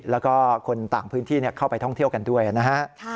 แล้วก็คนต่างพื้นที่เข้าไปท่องเที่ยวกันด้วยนะฮะ